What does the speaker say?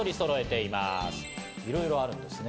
いろいろあるんですね。